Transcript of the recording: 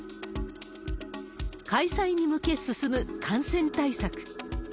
開催に向け進む、感染対策。